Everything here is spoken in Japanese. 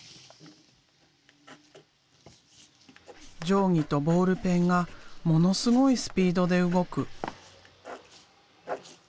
定規とボールペンがものすごいスピードで動く。